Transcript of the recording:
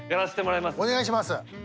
お願いします。